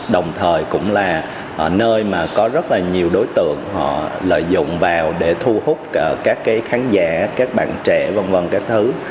đồng thời cũng là nơi mà có rất là nhiều đối tượng họ lợi dụng vào để thu hút các khán giả các bạn trẻ v v các thứ